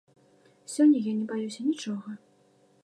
Сёння я не баюся нічога.